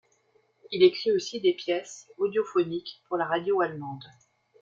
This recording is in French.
Il écrit aussi des pièces audiophoniques pour la radio allemande.